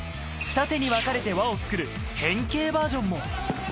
二手に分かれて輪を作る変形バージョンも。